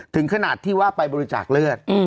ถึงขนาดที่ว่าไปบริจาคเลือด